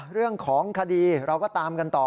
เรื่องของคดีเราก็ตามกันต่อ